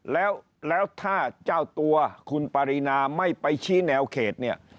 แล้วถ้าเจ้าตัวคุณปรินาไม่ไปชี้แนวเขตเนี่ย